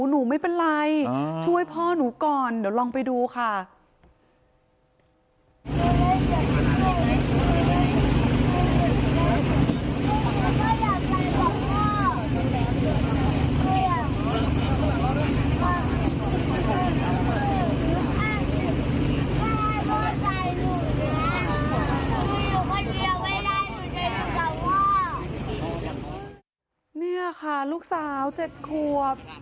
เนี่ยค่ะลูกสาวเจ็บขวบ